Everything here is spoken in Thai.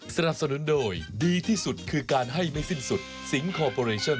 สนับสนุนโดยดีที่สุดคือการให้ไม่สิ้นสุดสิงคอร์ปอเรชั่น